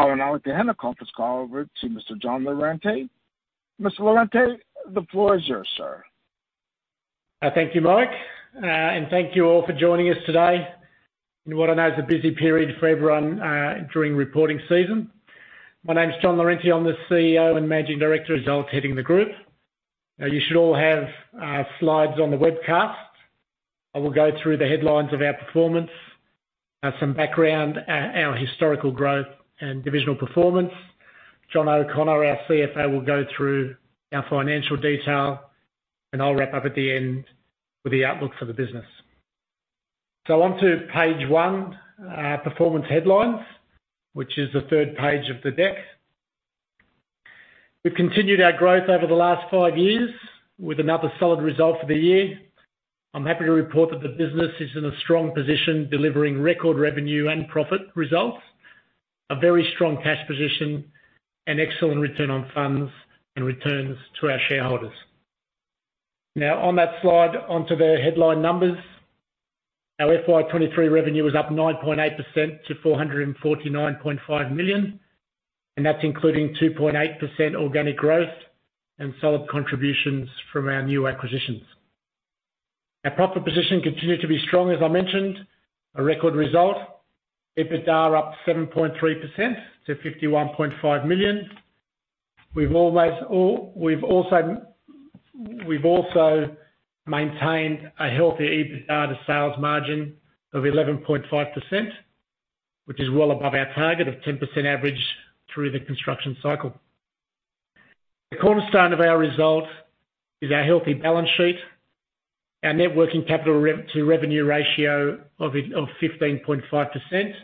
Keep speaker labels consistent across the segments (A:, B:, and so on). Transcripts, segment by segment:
A: I will now hand the conference call over to Mr. John Lorente. Mr. Lorente, the floor is yours, sir.
B: Thank you, Mike. And thank you all for joining us today in what I know is a busy period for everyone during reporting season. My name is John Lorente. I'm the CEO and Managing Director, as well as heading the group. Now, you should all have slides on the webcast. I will go through the headlines of our performance, some background at our historical growth and divisional performance. John O'Connor, our CFO, will go through our financial detail, and I'll wrap up at the end with the outlook for the business. So on to page one, performance headlines, which is the third page of the deck. We've continued our growth over the last five years with another solid result for the year. I'm happy to report that the business is in a strong position, delivering record revenue and profit results, a very strong cash position, and excellent return on funds and returns to our shareholders. Now, on that slide, onto the headline numbers. Our FY23 revenue is up 9.8% - 449.5 million, and that's including 2.8% organic growth and solid contributions from our new acquisitions. Our profit position continued to be strong, as I mentioned, a record result. EBITDA up 7.3% - AUD 51.5 million. We've also maintained a healthy EBITDA sales margin of 11.5%, which is well above our target of 10% average through the construction cycle. The cornerstone of our result is our healthy balance sheet. Our net working capital to revenue ratio of 15.5%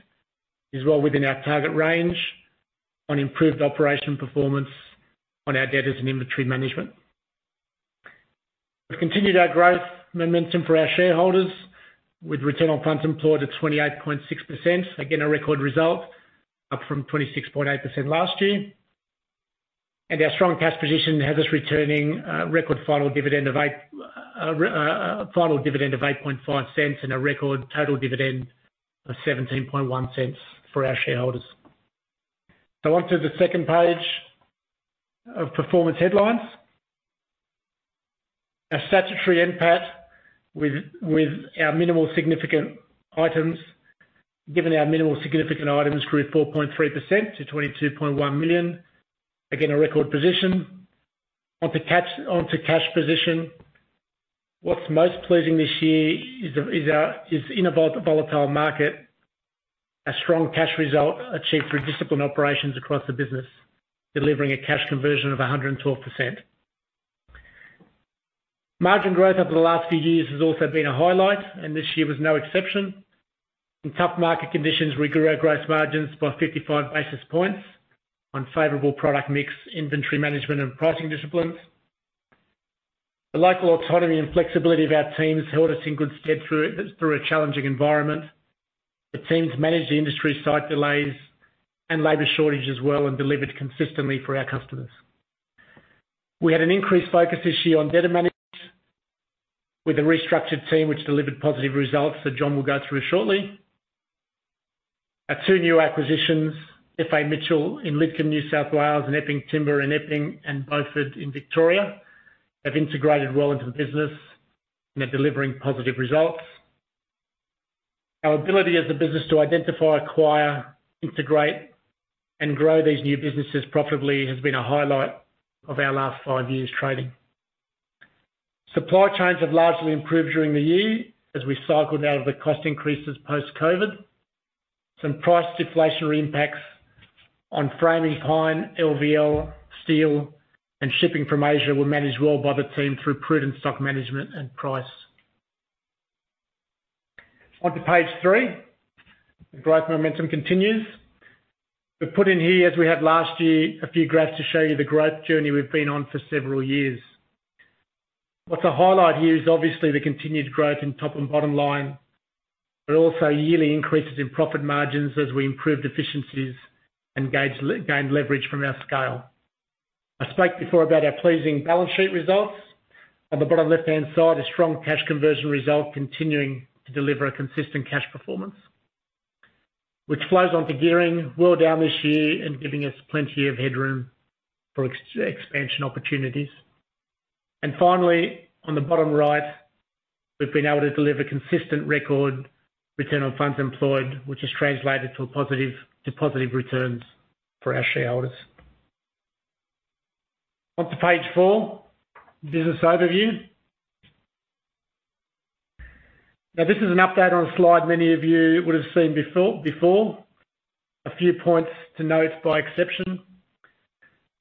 B: is well within our target range on improved operation performance on our debtors and inventory management. We've continued our growth momentum for our shareholders, with return on funds employed to 28.6%. Again, a record result, up from 26.8% last year. Our strong cash position has us returning a record final dividend of 0.085 and a record total dividend of 0.171 for our shareholders. So on to the second page of performance headlines. Our statutory NPAT, with our minimal significant items, grew 4.3% - 22.1 million. Again, a record position. Onto cash position. What's most pleasing this year is in a volatile market, a strong cash result achieved through disciplined operations across the business, delivering a cash conversion of 112%. Margin growth over the last few years has also been a highlight, and this year was no exception. In tough market conditions, we grew our gross margins by 55 basis points on favorable product mix, inventory management, and pricing disciplines. The local autonomy and flexibility of our teams held us in good stead through a challenging environment. The teams managed the industry site delays and labor shortages well and delivered consistently for our customers. We had an increased focus this year on debtor management, with a restructured team which delivered positive results that John will go through shortly. Our two new acquisitions, FA Mitchell in Lidcombe, New South Wales, and Epping Timber in Epping and Beaufort in Victoria, have integrated well into the business and are delivering positive results. Our ability as a business to identify, acquire, integrate, and grow these new businesses profitably has been a highlight of our last five years trading. Supply chains have largely improved during the year as we cycled out of the cost increases post-COVID. Some price deflationary impacts on framing pine, LVL, steel, and shipping from Asia were managed well by the team through prudent stock management and price. Onto page three. The growth momentum continues. We've put in here, as we had last year, a few graphs to show you the growth journey we've been on for several years. What's a highlight here is obviously the continued growth in top and bottom line, but also yearly increases in profit margins as we improved efficiencies and gained leverage from our scale. I spoke before about our pleasing balance sheet results. On the bottom left-hand side, a strong cash conversion result, continuing to deliver a consistent cash performance, which flows on to gearing well down this year and giving us plenty of headroom for expansion opportunities. And finally, on the bottom right, we've been able to deliver consistent record return on funds employed, which has translated to positive returns for our shareholders. Onto page four, business overview. Now, this is an update on a slide many of you would have seen before. A few points to note by exception: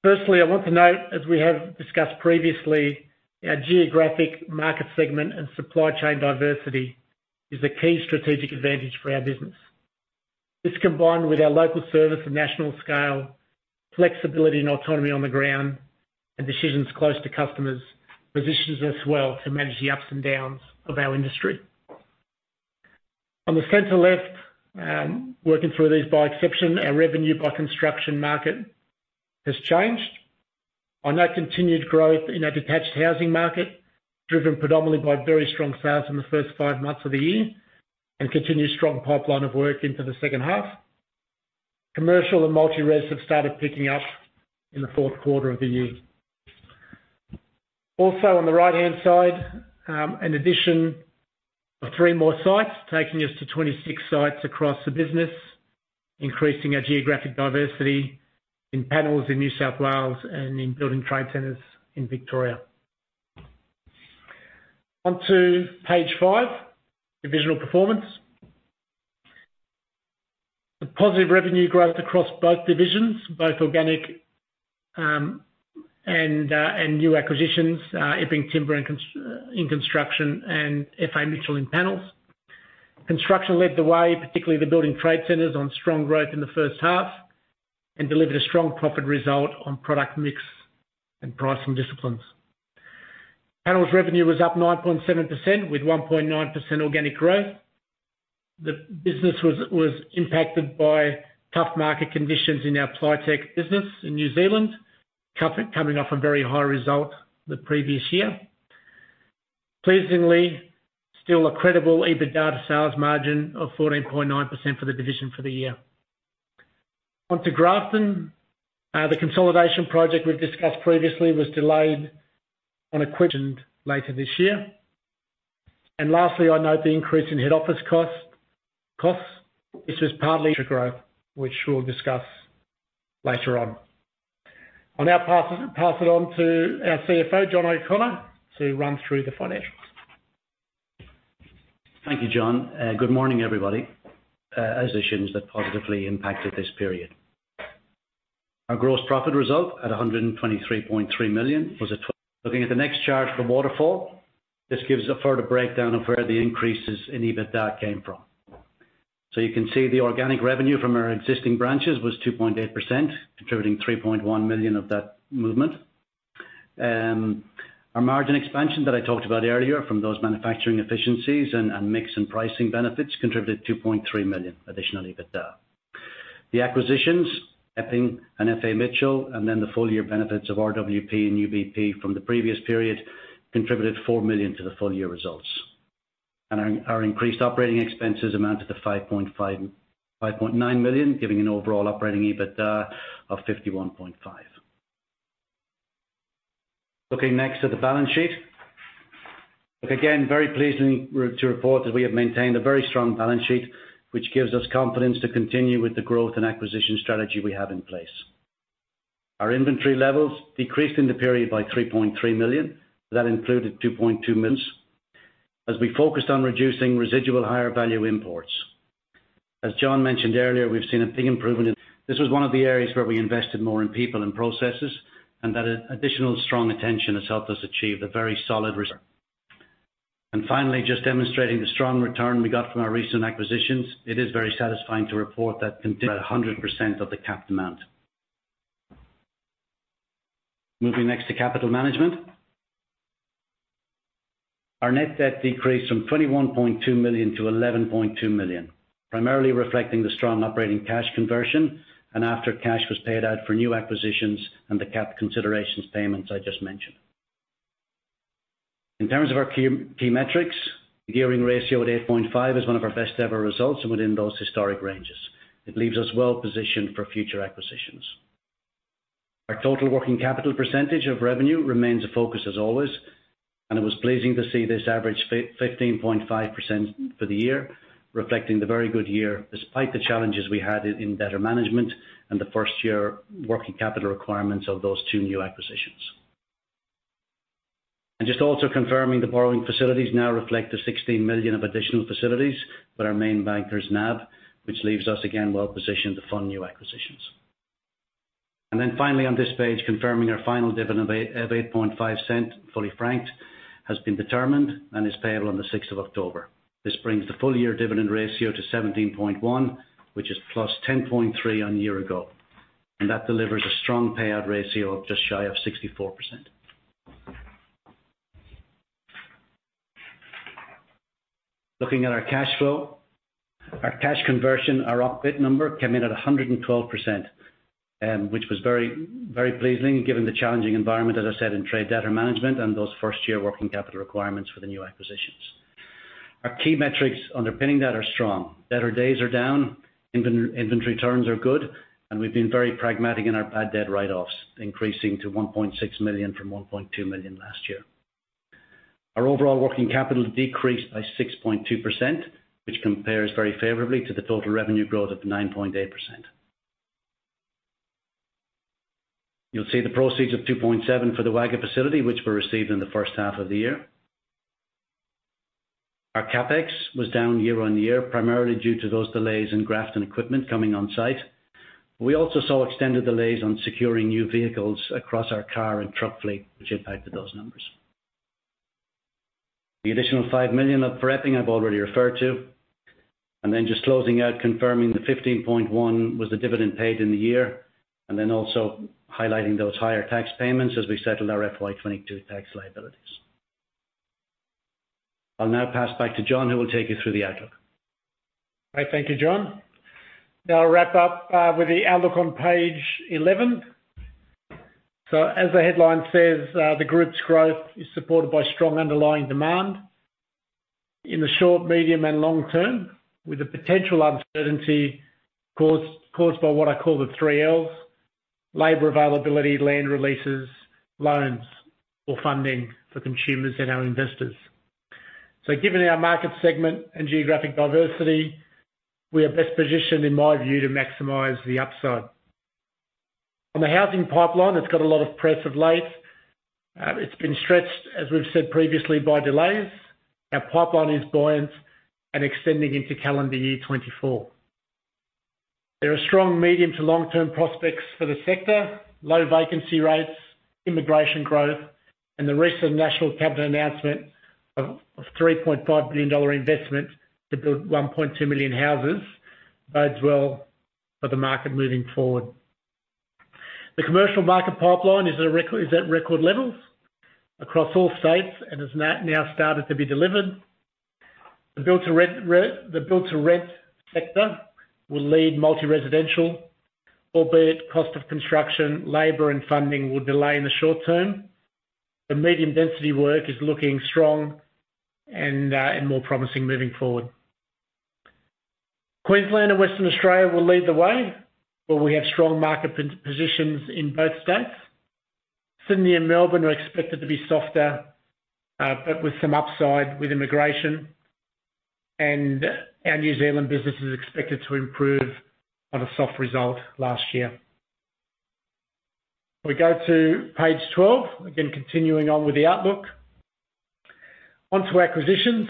B: firstly, I want to note, as we have discussed previously, our geographic market segment and supply chain diversity is a key strategic advantage for our business. This, combined with our local service and national scale, flexibility and autonomy on the ground, and decisions close to customers, positions us well to manage the ups and downs of our industry. On the center left, working through these by exception, our revenue by construction market has changed.... On that continued growth in our detached housing market, driven predominantly by very strong sales in the first five months of the year, and continued strong pipeline of work into the second half. Commercial and multi-res have started picking up in the Q4 of the year. Also, on the right-hand side, an addition of 3 more sites, taking us to 26 sites across the business, increasing our geographic diversity in Panels in New South Wales and in building trade centers in Victoria. On to page 5, divisional performance. The positive revenue growth across both divisions, both organic and new acquisitions, Epping Timber in Construction and FA Mitchell in panels. Construction led the way, particularly the building trade centers, on strong growth in the first half and delivered a strong profit result on product mix and pricing disciplines. Panels revenue was up 9.7% with 1.9% organic growth. The business was impacted by tough market conditions in our Plytech business in New Zealand, coming off a very high result the previous year. Pleasingly, still a credible EBITDA sales margin of 14.9% for the division for the year. On to Grafton. The consolidation project we've discussed previously was delayed on acquisition later this year. Lastly, I note the increase in head office costs. This was partly to growth, which we'll discuss later on. I'll now pass it on to our CFO, John O'Connor, to run through the financials.
C: Thank you, John. Good morning, everybody. As issues that positively impacted this period. Our gross profit result, at 123.3 million, was a. Looking at the next chart for waterfall, this gives a further breakdown of where the increases in EBITDA came from. So you can see the organic revenue from our existing branches was 2.8%, contributing 3.1 million of that movement. Our margin expansion that I talked about earlier, from those manufacturing efficiencies and mix and pricing benefits, contributed 2.3 million additionally with that. The acquisitions, Epping and FA Mitchell, and then the full year benefits of RWP and UBP from the previous period, contributed 4 million to the full year results. Our increased operating expenses amounted to 5.5-5.9 million, giving an overall operating EBITDA of 51.5. Looking next at the balance sheet. Again, very pleasing to report that we have maintained a very strong balance sheet, which gives us confidence to continue with the growth and acquisition strategy we have in place. Our inventory levels decreased in the period by 3.3 million. That included 2.2 million... As we focused on reducing residual higher value imports. As John mentioned earlier, we've seen a big improvement in. This was one of the areas where we invested more in people and processes, and that additional strong attention has helped us achieve the very solid result. And finally, just demonstrating the strong return we got from our recent acquisitions, it is very satisfying to report that continued 100% of the capped amount. Moving next to capital management. Our net debt decreased from 21.2 million to 11.2 million, primarily reflecting the strong operating cash conversion and after cash was paid out for new acquisitions and the cap considerations payments I just mentioned. In terms of our key metrics, the gearing ratio at 8.5 is one of our best ever results and within those historic ranges. It leaves us well positioned for future acquisitions. Our total working capital percentage of revenue remains a focus as always, and it was pleasing to see this average 15.5% for the year, reflecting the very good year, despite the challenges we had in debtor management and the first year working capital requirements of those two new acquisitions. Just also confirming the borrowing facilities now reflect the 16 million of additional facilities with our main bankers, NAB, which leaves us again, well positioned to fund new acquisitions. Then finally, on this page, confirming our final dividend of 0.085, fully franked, has been determined and is payable on the sixth of October. This brings the full year dividend ratio to 0.171, which is +0.103 on a year ago, and that delivers a strong payout ratio of just shy of 64%. Looking at our cash flow, our cash conversion, our ROCE number came in at 112%, which was very, very pleasing, given the challenging environment, as I said, in trade debtor management and those first-year working capital requirements for the new acquisitions. Our key metrics underpinning that are strong. Debtor days are down, inventory turns are good, and we've been very pragmatic in our bad debt write-offs, increasing to 1.6 million from 1.2 million last year. Our overall working capital decreased by 6.2%, which compares very favorably to the total revenue growth of 9.8%. You'll see the proceeds of 2.7 million for the Wagga facility, which were received in the first half of the year. Our Capex was down year-on-year, primarily due to those delays in Grafton equipment coming on site. We also saw extended delays on securing new vehicles across our car and truck fleet, which impacted those numbers. The additional 5 million for Epping I've already referred to, and then just closing out, confirming the 15.1 was the dividend paid in the year, and then also highlighting those higher tax payments as we settled our FY 2022 tax liabilities. I'll now pass back to John, who will take you through the outlook.
B: Right. Thank you, John. Now, I'll wrap up with the outlook on page 11. So as the headline says, the group's growth is supported by strong underlying demand in the short, medium, and long term, with a potential uncertainty caused by what I call the three Ls: labor availability, land releases, loans, or funding for consumers and our investors. So given our market segment and geographic diversity, we are best positioned, in my view, to maximize the upside. On the housing pipeline, it's got a lot of press of late. It's been stretched, as we've said previously, by delays. Our pipeline is buoyant and extending into calendar year 2024. There are strong medium to long-term prospects for the sector, low vacancy rates, immigration growth, and the recent National Cabinet announcement of three point five billion dollar investment to build one point two million houses bodes well for the market moving forward. The commercial market pipeline is at record levels across all states and has now started to be delivered. The build to rent sector will lead multi-residential, albeit cost of construction, labor, and funding will delay in the short term. The medium-density work is looking strong and more promising moving forward. Queensland and Western Australia will lead the way, where we have strong market positions in both states. Sydney and Melbourne are expected to be softer, but with some upside with immigration, and our New Zealand business is expected to improve on a soft result last year. We go to page 12, again, continuing on with the outlook. Onto acquisitions.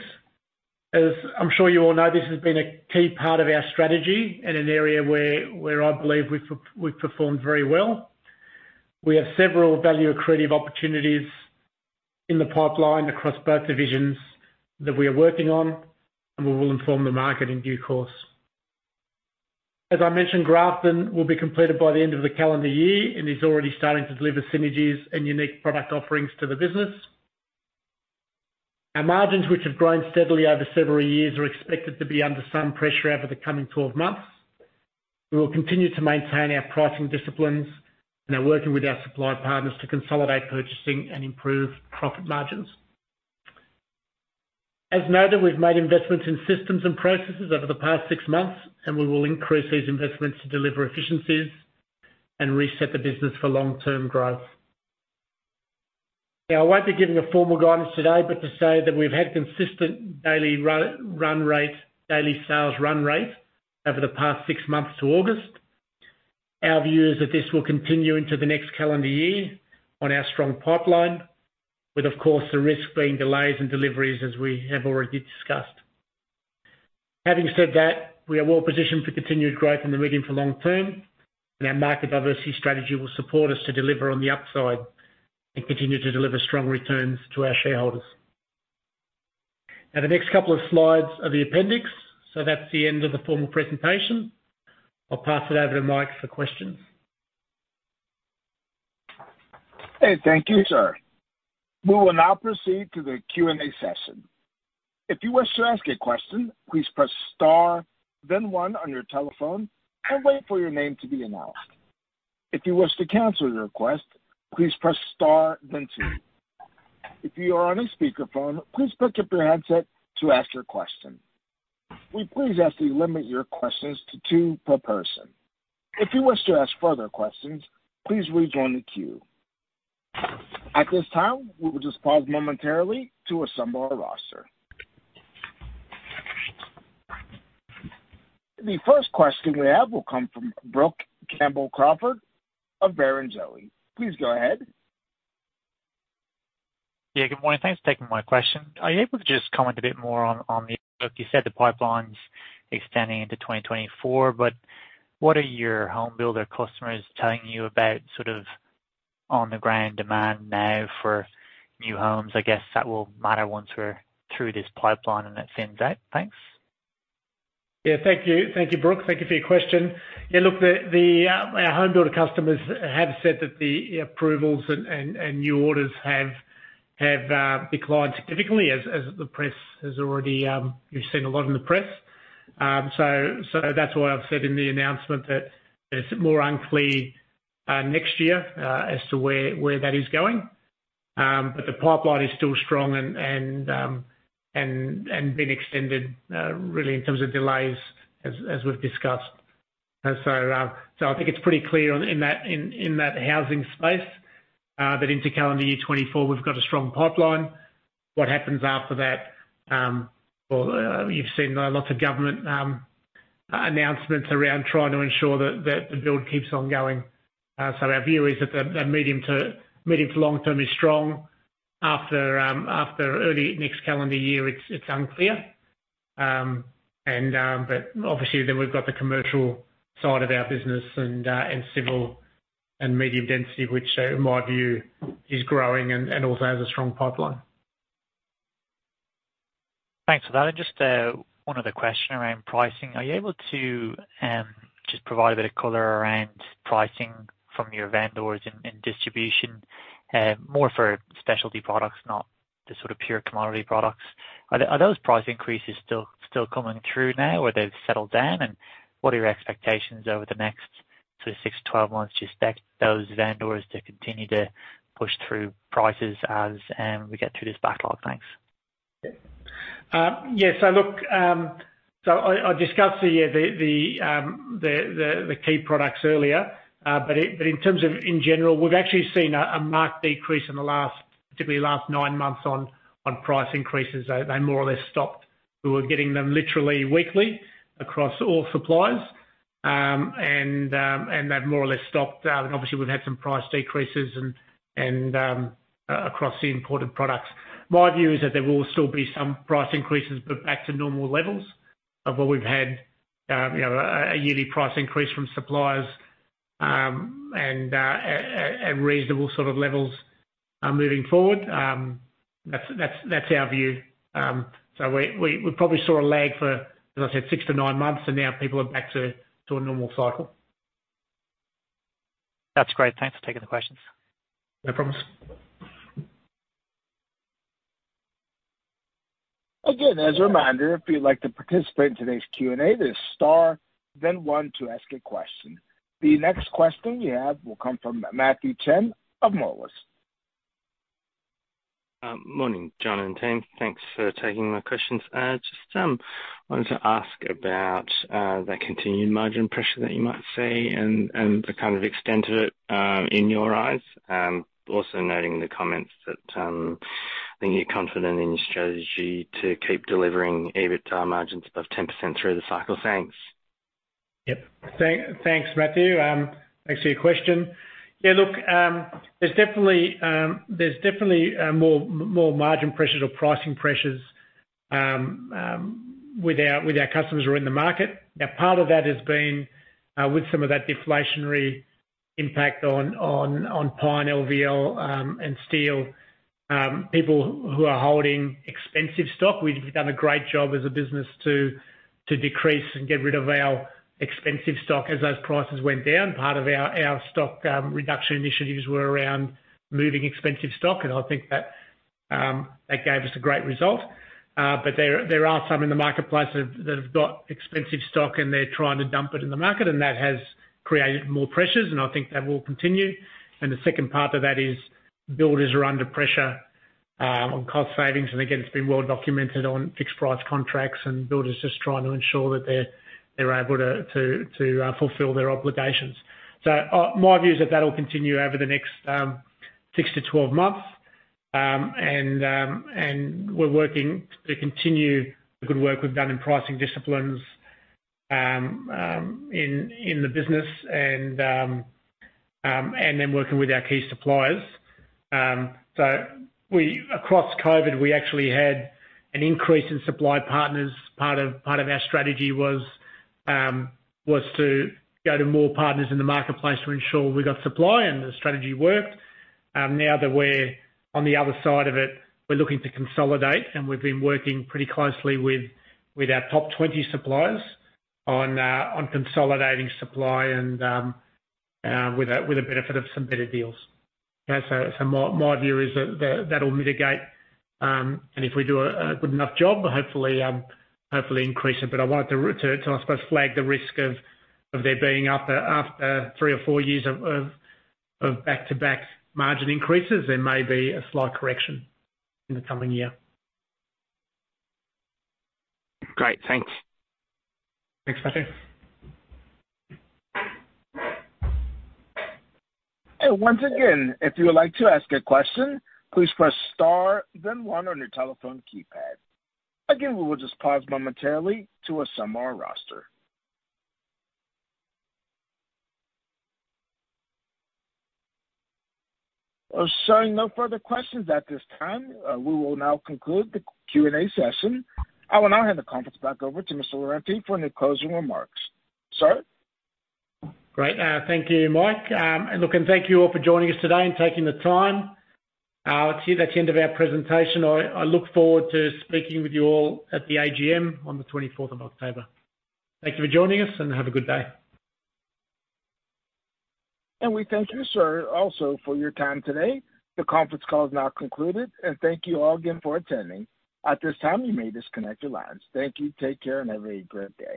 B: As I'm sure you all know, this has been a key part of our strategy and an area where, where I believe we've, we've performed very well. We have several value-accretive opportunities in the pipeline across both divisions that we are working on, and we will inform the market in due course. As I mentioned, Grafton will be completed by the end of the calendar year and is already starting to deliver synergies and unique product offerings to the business. Our margins, which have grown steadily over several years, are expected to be under some pressure over the coming twelve months. We will continue to maintain our pricing disciplines and are working with our supply partners to consolidate purchasing and improve profit margins. As noted, we've made investments in systems and processes over the past six months, and we will increase these investments to deliver efficiencies and reset the business for long-term growth. Now, I won't be giving a formal guidance today, but to say that we've had consistent daily run rate, daily sales run rate over the past six months to August. Our view is that this will continue into the next calendar year on our strong pipeline, with, of course, the risk being delays in deliveries, as we have already discussed. Having said that, we are well positioned for continued growth in the medium to long term, and our market diversity strategy will support us to deliver on the upside and continue to deliver strong returns to our shareholders. Now, the next couple of slides are the appendix, so that's the end of the formal presentation. I'll pass it over to Mike for questions.
A: Hey, thank you, sir. We will now proceed to the Q&A session. If you wish to ask a question, please press star, then one on your telephone and wait for your name to be announced. If you wish to cancel your request, please press star, then two. If you are on a speakerphone, please pick up your headset to ask your question. We please ask you to limit your questions to two per person. If you wish to ask further questions, please rejoin the queue. At this time, we will just pause momentarily to assemble our roster. The first question we have will come from Brooke Campbell-Crawford of Barrenjoey. Please go ahead.
D: Yeah, good morning. Thanks for taking my question. Are you able to just comment a bit more on the... You said the pipeline's extending into 2024, but what are your home builder customers telling you about sort of on-the-ground demand now for new homes? I guess that will matter once we're through this pipeline and it thins out. Thanks.
B: Yeah, thank you. Thank you, Brook. Thank you for your question. Yeah, look, our home builder customers have said that the approvals and new orders have declined significantly, as the press has already... You've seen a lot in the press. So that's why I've said in the announcement that it's more unclear next year as to where that is going. But the pipeline is still strong and been extended really in terms of delays, as we've discussed. And so I think it's pretty clear in that housing space that into calendar year 2024, we've got a strong pipeline. What happens after that, well, you've seen lots of government announcements around trying to ensure that the build keeps on going. So our view is that the medium to long term is strong. After early next calendar year, it's unclear. But obviously, then we've got the commercial side of our business and civil and medium density, which in my view, is growing and also has a strong pipeline....
D: Thanks for that. And just, one other question around pricing. Are you able to, just provide a bit of color around pricing from your vendors in distribution? More for specialty products, not the sort of pure commodity products. Are those price increases still coming through now, or they've settled down? And what are your expectations over the next sort of six to 12 months, just that those vendors to continue to push through prices as, we get through this backlog? Thanks.
B: Yeah, so look, I discussed the key products earlier. But in terms of in general, we've actually seen a marked decrease in the last, particularly last nine months on price increases. They more or less stopped. We were getting them literally weekly across all suppliers. And they've more or less stopped. And obviously, we've had some price decreases and across the imported products. My view is that there will still be some price increases, but back to normal levels of what we've had, you know, a yearly price increase from suppliers, and a reasonable sort of levels moving forward. That's our view. So we probably saw a lag for, as I said, 6-9 months, and now people are back to a normal cycle.
D: That's great. Thanks for taking the questions.
B: No problems.
A: Again, as a reminder, if you'd like to participate in today's Q&A, there's star then one to ask a question. The next question we have will come from Matthew Chen of Morgans.
E: Morning, John and team. Thanks for taking my questions. Just wanted to ask about the continued margin pressure that you might see and the kind of extent of it in your eyes. Also noting the comments that I think you're confident in your strategy to keep delivering EBITDA margins above 10% through the cycle. Thanks.
B: Yep. Thanks, Matthew. Thanks for your question. Yeah, look, there's definitely more margin pressures or pricing pressures with our customers who are in the market. Now, part of that has been with some of that deflationary impact on pine, LVL, and steel. People who are holding expensive stock, we've done a great job as a business to decrease and get rid of our expensive stock as those prices went down. Part of our stock reduction initiatives were around moving expensive stock, and I think that gave us a great result. But there are some in the marketplace that have got expensive stock, and they're trying to dump it in the market, and that has created more pressures, and I think that will continue. And the second part of that is, builders are under pressure on cost savings. And again, it's been well documented on fixed price contracts and builders just trying to ensure that they're able to fulfill their obligations. So, my view is that will continue over the next 6-12 months. And we're working to continue the good work we've done in pricing disciplines in the business and then working with our key suppliers. Across COVID, we actually had an increase in supply partners. Part of our strategy was to go to more partners in the marketplace to ensure we got supply, and the strategy worked. Now that we're on the other side of it, we're looking to consolidate, and we've been working pretty closely with our top 20 suppliers on consolidating supply and with the benefit of some better deals. So my view is that that'll mitigate, and if we do a good enough job, hopefully increase it. But I wanted to, I suppose, flag the risk of there being after three or four years of back-to-back margin increases, there may be a slight correction in the coming year.
E: Great. Thanks.
B: Thanks, Matthew.
A: Once again, if you would like to ask a question, please press star then one on your telephone keypad. Again, we will just pause momentarily to assemble our roster. Showing no further questions at this time, we will now conclude the Q&A session. I will now hand the conference back over to Mr. Lorente for any closing remarks. Sir?
B: Great. Thank you, Mike. Look, and thank you all for joining us today and taking the time. That's the end of our presentation. I look forward to speaking with you all at the AGM on the twenty-fourth of October. Thank you for joining us, and have a good day.
A: We thank you, sir, also for your time today. The conference call is now concluded, and thank you all again for attending. At this time, you may disconnect your lines. Thank you. Take care, and have a great day.